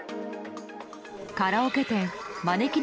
カラオケ店まねきね